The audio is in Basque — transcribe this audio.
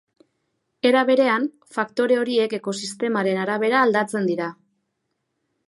Era berean, faktore horiek ekosistemaren arabera aldatzen dira.